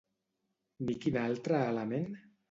Ni quin altre element?